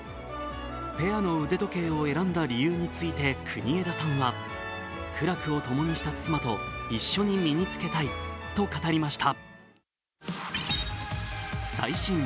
ペアの腕時計を選んだ理由について国枝さんは、苦楽を共にした妻と一緒に身に着けたいと語りました。